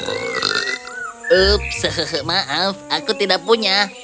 up maaf aku tidak punya